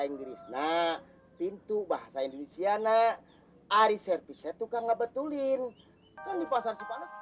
inggris nah pintu bahasa indonesia nah ari servisnya tukang ngebetulin kan di pasar